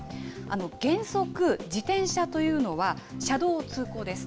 原則、自転車というのは、車道を通行です。